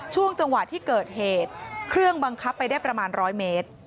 ช่วงจังหวะที่เกิดเหตุเครื่องบังคับไปได้ประมาณ๑๐๐เมตร